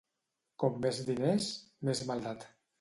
Com més diners, més maldat.